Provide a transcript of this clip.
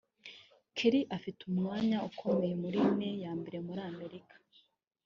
Kerry afite umwanya ukomeye muri ine ya mbere muri Amerika